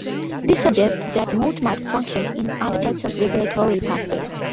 This suggested that most might function in other types of regulatory pathways.